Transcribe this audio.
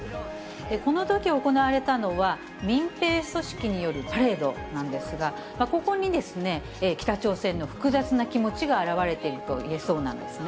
このとき行われたのは、民兵組織によるパレードなんですが、ここに北朝鮮の複雑な気持ちが表れているといえそうなんですね。